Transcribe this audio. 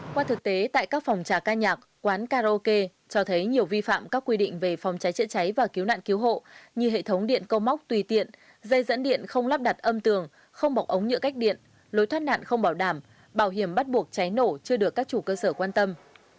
qua thực tế tại các phòng trà ca nhạc quán karaoke cho thấy nhiều vi phạm các quy định về phòng cháy chữa cháy và cứu nạn cứu hộ như hệ thống điện câu móc tùy tiện dây dẫn điện không lắp đặt âm tường không bọc ống nhựa cách điện lối thoát nạn không bảo đảm bảo hiểm bắt buộc cháy nổ chưa được các chủ cơ sở quan tâm